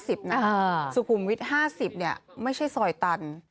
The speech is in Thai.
สุขุมวิทย์๕๐ไม่ใช่ซอยตัน